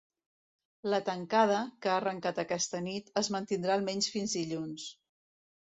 La tancada, que ha arrencat aquesta nit, es mantindrà almenys fins dilluns.